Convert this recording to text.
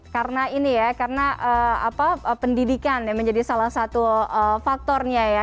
karena ini ya karena pendidikan yang menjadi salah satu faktornya ya